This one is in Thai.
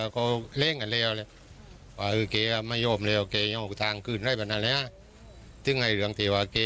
ก็เลยโกรธ